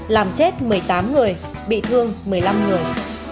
làm chết một mươi tám người bị thương một mươi năm người